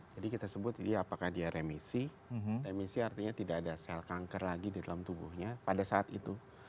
jadi kita sebut apakah dia remisi remisi artinya tidak ada sel kanker lagi di dalam tubuhnya pada saat itu